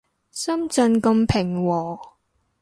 深圳咁平和